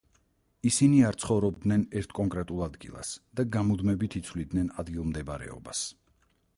ისინი არ ცხოვრობდნენ ერთ კონკრეტულ ადგილას და გამუდმებით იცვლიდნენ ადგილმდებარეობას.